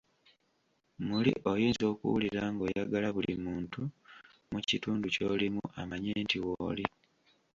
Muli oyinza okuwulira ng'oyagala buli muntu mu kitundu ky'olimu amanye nti w'oli.